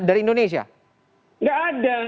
dari indonesia gak ada